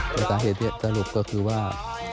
แต่สาเหตุที่สรุปก็คือว่า